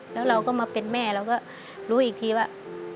แล้วเราก็มาเป็นแม่เราก็รู้อีกทีว่า